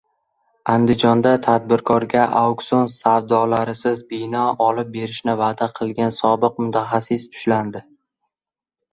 Andijonda tadbirkorga auksion savdolarisiz bino olib berishni va’da qilgan sobiq mutaxassis ushlandi